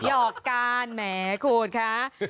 หอกการแหมคุณคะ